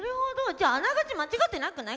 じゃああながち間違ってなくない？